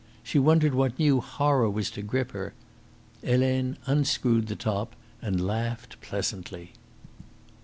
She wondered what new horror was to grip her. Helene unscrewed the top and laughed pleasantly.